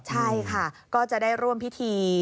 ใช่ค่ะก็จะได้ร่วมพิธี